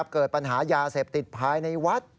เกิดปัญหายาเสพติดภายในวัด